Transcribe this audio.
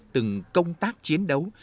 từng công tác chiến đấu